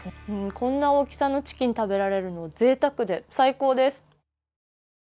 こんな大きさのチキン食べられるのぜいたくで、最高です。